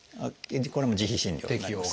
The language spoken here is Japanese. これも自費診療になります。